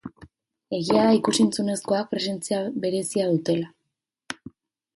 Egia da ikus-entzunezkoek presentzia berezia dutela.